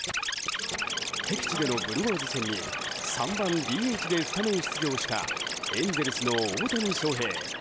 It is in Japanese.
敵地でのブルワーズ戦に３番ＤＨでスタメン出場したエンゼルスの大谷翔平。